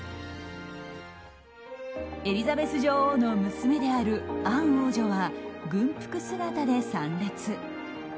エリザベス女王の娘であるアン王女は軍服姿で参列。